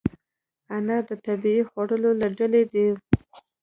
انار د طبیعي خوړو له ډلې دی.